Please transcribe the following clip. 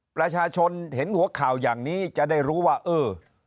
ประชาชนเห็นหัวข่าวอย่างนี้จะได้รู้ว่าเออ